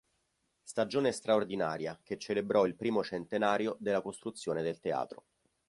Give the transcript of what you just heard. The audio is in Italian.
Stagione straordinaria, che celebrò il primo centenario della costruzione del teatro.